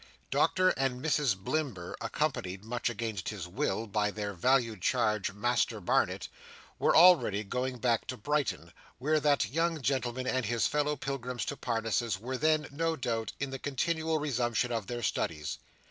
Doctor and Mrs Blimber, accompanied (much against his will) by their valued charge, Master Barnet, were already gone back to Brighton, where that young gentleman and his fellow pilgrims to Parnassus were then, no doubt, in the continual resumption of their studies.